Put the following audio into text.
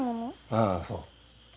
ああそう。